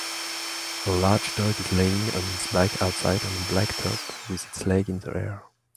A large dog is laying on its back outside on a blacktop with its legs in the air